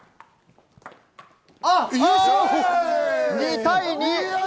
２対２。